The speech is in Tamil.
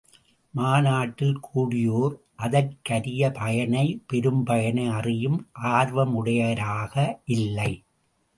மாநாட்டில் கூடியோர் அறிதற்கரிய பயனை பெரும்பயனை அறியும் ஆர்வமுடையராக இல்லை.